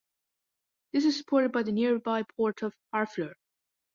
This was supported by the nearby port of Harfleur.